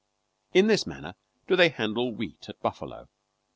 In this manner do they handle wheat at Buffalo.